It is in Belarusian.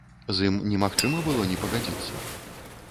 З ім немагчыма было не пагадзіцца.